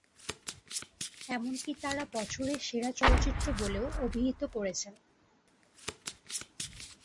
এমনকি তাঁরা "বছরের সেরা চলচ্চিত্র" বলেও অভিহিত করেছেন।